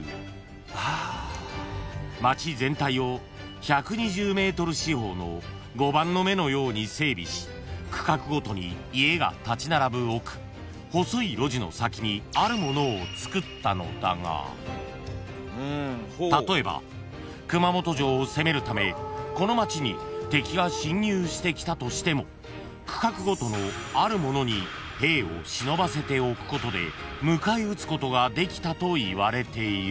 ［町全体を１２０ｍ四方の碁盤の目のように整備し区画ごとに家が立ち並ぶ奥細い路地の先にあるものをつくったのだが例えば熊本城を攻めるためこの町に敵が侵入してきたとしても区画ごとのあるものに兵を忍ばせておくことで迎え撃つことができたといわれている］